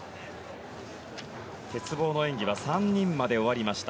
鉄棒の演技は３人まで終わりました。